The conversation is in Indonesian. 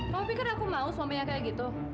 tapi kan aku mau suaminya kayak gitu